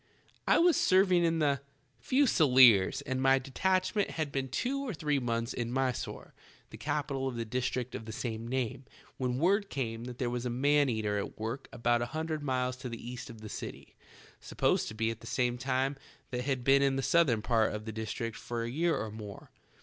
"I was serving in the Fusileers and my detachment had been two or three months in Mysore, the capital of the district of the same name, when word came that there was a man A FIGHT WITH A TIGER. 135 eater at work about a hundred miles to the east of the eity, supposed to be the same that had been in the southern part of the dis . triet for a year or more.